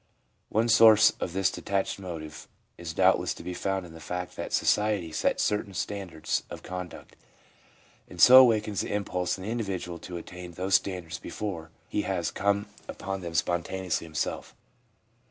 One source of this detached motive is doubt less to be found in the fact that society sets certain standards of conduct, and so awakens the impulse in the individual to attain those standards before he has come upon them spontaneously himself.